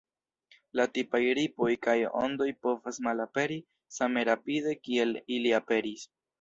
La tipaj ripoj kaj ondoj povas malaperi same rapide kiel ili aperis.